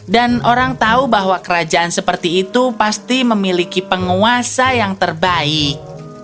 dan orang tahu bahwa kerajaan seperti itu pasti memiliki penguasa yang terbaik